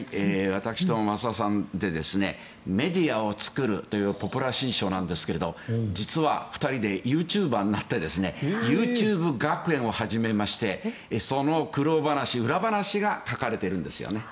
私と増田さんで「メディアをつくる！」というポプラ新書なんですが実は２人でユーチューバーになってＹｏｕＴｕｂｅ学園を始めましてその苦労話、裏話が書かれているんですよね。